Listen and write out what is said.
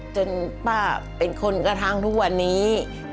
จนป้าเป็นคนกระทำทุกวันนี้